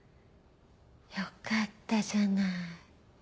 よかったじゃない。